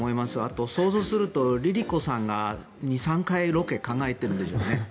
想像するとＬｉＬｉＣｏさんが２３回ロケを考えてるんでしょうね。